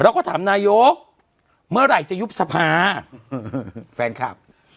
แล้วก็ถามนายกเมื่อไหร่จะยุบสภาแฟนคลับ